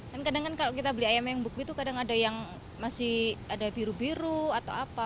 dan kadang kadang kalau kita beli ayam yang beku itu kadang ada yang masih ada biru biru atau apa